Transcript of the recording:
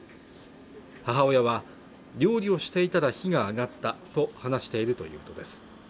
母親は料理をしていたら火が上がったと話しているということです